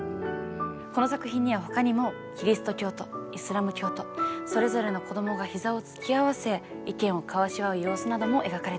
この作品にはほかにもキリスト教徒イスラム教徒それぞれの子供が膝を突き合わせ意見を交わし合う様子なども描かれています。